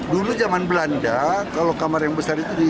dulu zaman belanda kalau kamar yang besar itu di